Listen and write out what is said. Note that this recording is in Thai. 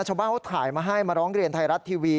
ชาวบ้านเขาถ่ายมาให้มาร้องเรียนไทยรัฐทีวี